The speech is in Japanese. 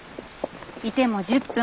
いても１０分。